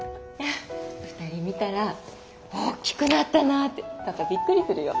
２人見たら大きくなったなってパパびっくりするよ。